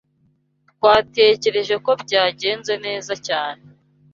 Twatekereje ko byagenze neza cyane.